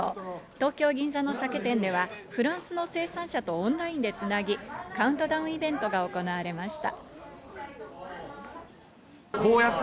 東京・銀座の酒店ではフランスの生産者とオンラインでつなぎ、カウントダウンイベントが行われました。